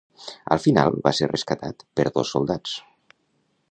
Al final, va ser rescatat per dos soldats.